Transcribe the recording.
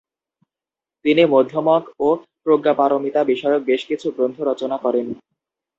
তিনি মধ্যমক ও প্রজ্ঞাপারমিতা বিষয়ক বেশ কিছু গ্রন্থ রচনা করেন।